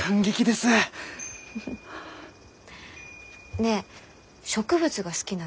ねえ植物が好きなの？